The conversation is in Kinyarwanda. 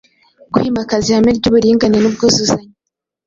Kwimakaza ihame ry’uburinganire n’ubwuzuzanye